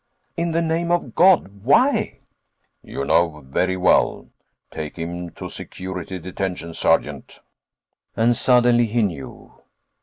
"In the name of God, why?" "You know very well. Take him to security detention, Sergeant." And suddenly he knew.